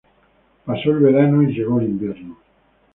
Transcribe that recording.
Paso el verano y llegó el invierno.